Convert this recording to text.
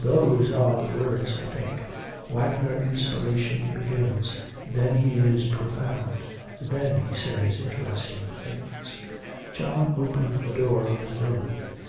those are the words, I think, Wagner inspiration begins, then he is profound, then he says interesting things.' John opened the door of his room.